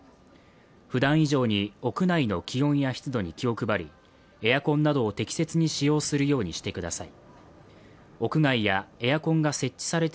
ふだん以上に屋内の気温や湿度に気を配りエアコンなどを適切に使用するようにしてください。